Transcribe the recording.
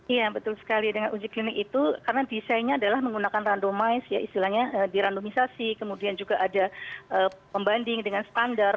iya betul sekali dengan uji klinik itu karena desainnya adalah menggunakan randomise ya istilahnya di randomisasi kemudian juga ada pembanding dengan standar